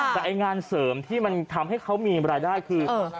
แต่ไอ้งานเสริมที่มันทำให้เขามีรายได้คือ